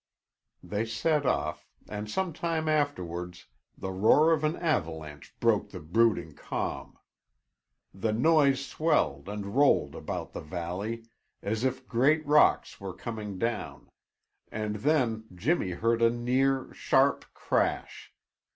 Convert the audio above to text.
They set off and some time afterwards the roar of an avalanche broke the brooding calm. The noise swelled and rolled about the valley, as if great rocks were coming down, and then Jimmy heard a near, sharp crash.